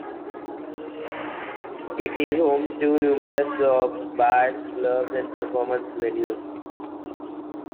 It is home to numerous shops, bars, clubs, and performance venues.